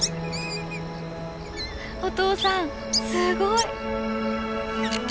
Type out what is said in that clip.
「お父さんすごい！」。